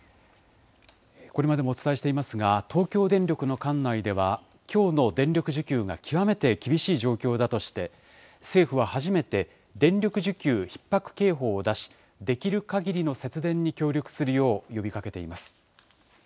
これまでもお伝えしていますが、東京電力の管内では、きょうの電力需給が極めて厳しい状況だとして、政府は初めて、電力需給ひっ迫警報を出し、できるかぎりの節電に協力するよう呼びかけています。